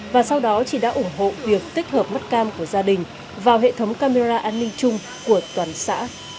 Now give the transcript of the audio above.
và sau đó chị đã ủng hộ việc tích hợp mắt cam của gia đình vào hệ thống camera an ninh chung của toàn xã